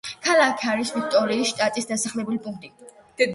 ქალაქი არის ვიქტორიის შტატის დასახლებული პუნქტი.